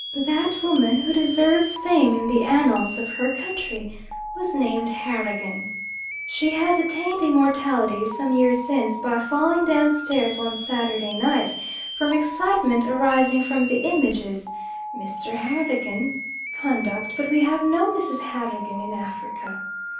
That woman, who deserves fame in the annals of her country, was named Harragan. She has attained immortality some years since, by falling down stairs one Saturday night from excitement arising from "the Image's" (Mr. Harragan) conduct; but we have no Mrs. Harragan in Africa.